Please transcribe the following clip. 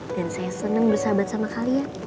dan saya seneng bersahabat sama kalian